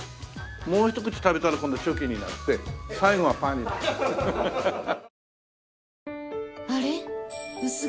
もうひと口食べたら今度チョキになって最後はパーになる。